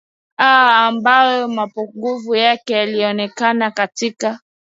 aaa ambayo mapungufu yake yalionekana katika